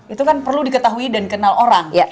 itu kan perlu diketahui dan kenal orang